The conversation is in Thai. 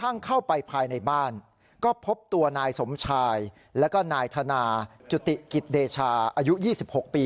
นี่ใช่ครับ